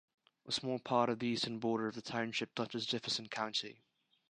A small part of the eastern border of the township touches Jefferson County.